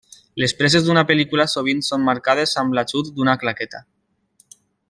Les preses d’una pel·lícula sovint són marcades amb l'ajut d'una claqueta.